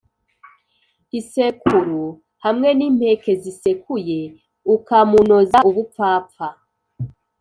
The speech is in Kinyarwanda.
Isekuru hamwe n impeke zisekuye ukamunoza ubupfapfa